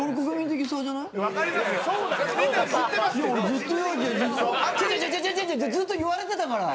ずっと言われてたから。